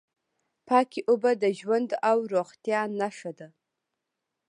پاکې اوبه د ژوند او روغتیا نښه ده.